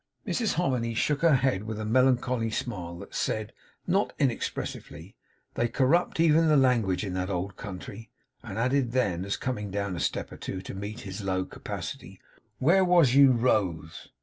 Mrs Hominy shook her head with a melancholy smile that said, not inexpressively, 'They corrupt even the language in that old country!' and added then, as coming down a step or two to meet his low capacity, 'Where was you rose?